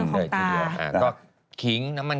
เรื่องของตา